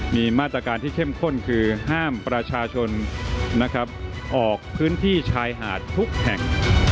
มีมาตรการที่เข้มข้นคือห้ามประชาชนนะครับออกพื้นที่ชายหาดทุกแห่ง